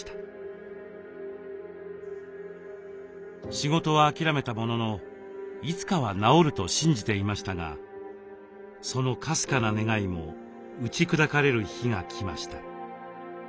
仕事は諦めたもののいつかは治ると信じていましたがそのかすかな願いも打ち砕かれる日が来ました。